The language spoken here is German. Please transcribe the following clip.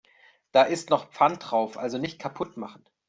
Da ist noch Pfand drauf, also nicht kaputt machen.